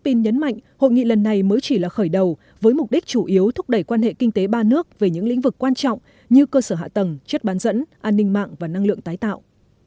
bên nhấn mạnh hội nghị lần này mới chỉ là khởi đầu với mục đích chủ yếu thúc đẩy quan hệ kinh tế ba nước về những lĩnh vực quan trọng như cơ sở hạ tầng chất bán dẫn an ninh mạng và năng lượng tái tạo